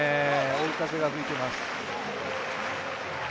追い風が吹いています。